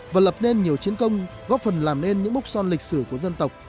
và lập nên nhiều chiến công góp phần làm nên những mốc son lịch sử của dân tộc